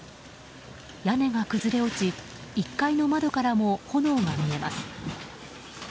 屋根が崩れ落ち、１階の窓からも炎が見えます。